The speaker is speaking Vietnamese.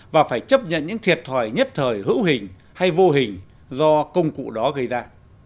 và phải chấp nhận những thiệt thòi nhất thời hữu hình hay vô hình do công cụ đó gây ra